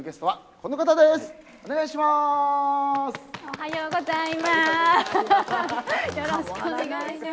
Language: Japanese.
おはようございます。